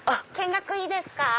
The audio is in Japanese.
見学いいですか？